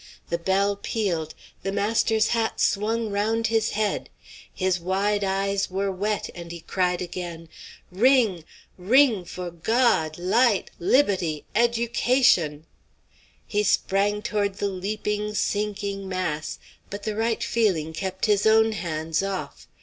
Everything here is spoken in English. The bell pealed; the master's hat swung round his head. His wide eyes were wet, and he cried again, "Ring! ring! for God, light, libbutty, education!" He sprang toward the leaping, sinking mass; but the right feeling kept his own hands off.